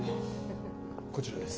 こちらです。